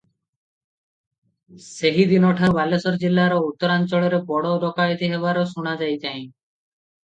ସେହି ଦିନ ଠାରୁ ବାଲେଶ୍ୱର ଜିଲ୍ଲାର ଉତ୍ତରାଞ୍ଚଳରେ ବଡ଼ ଡକାଏତି ହେବାର ଶୁଣା ଯାଇନାହିଁ ।